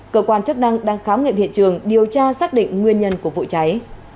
cơ quan chức năng đang khám nghiệm hiện trường điều tra xác định nguyên nhân của vụ cháy